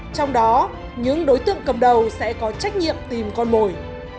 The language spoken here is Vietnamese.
trong đó những đối tượng cầm đầu sẽ có trách nhiệm tìm con mồi